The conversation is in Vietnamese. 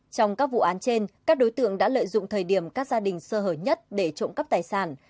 trong các vụ án trên các đối tượng đã lợi dụng thời điểm các gia đình sơ hở nhất để trộm cắp tài sản